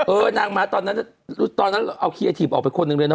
เออนางมาตอนนั้นเอาคียาทีมออกไปคนหนึ่งเลยนะ